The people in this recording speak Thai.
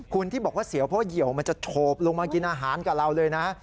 คุณที่บอกว่าเสียวเพราะเหี่ยวมันจะโฉบลงมากินอาหารกับเราเลยนะ